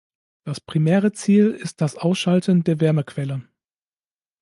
Das primäre Ziel ist das Ausschalten der Wärmequelle.